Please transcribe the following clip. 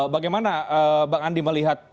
bagaimana pak andi melihat